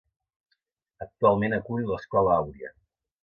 Actualment acull l'Escola Àuria.